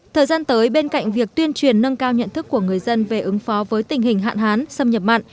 thời gian tới bên cạnh việc tuyên truyền nâng cao nhận thức của người dân về ứng phó với tình hình hạn hán xâm nhập mặn